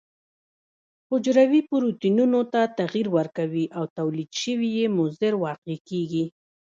حجروي پروتینونو ته تغیر ورکوي او تولید شوي یې مضر واقع کیږي.